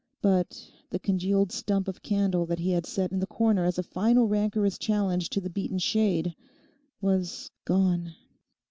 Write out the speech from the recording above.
But the congealed stump of candle that he had set in the corner as a final rancorous challenge to the beaten Shade was gone.